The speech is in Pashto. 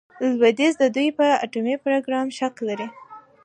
لویدیځ د دوی په اټومي پروګرام شک لري.